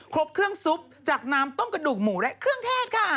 ครบเครื่องซุปจากน้ำต้มกระดูกหมูและเครื่องเทศค่ะ